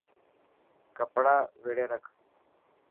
ڪپڙا ويڙي رک.